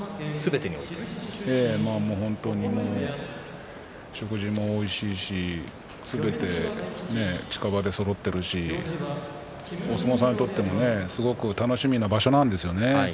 本当に食事もおいしいしすべて近場でそろっていますし相撲さんにとってもすごく楽しみな場所なんです。